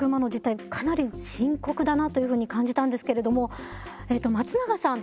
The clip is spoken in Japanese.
かなり深刻だなというふうに感じたんですけれども松永さん